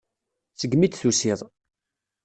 Segmi i d-tusiḍ.